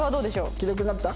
既読になった？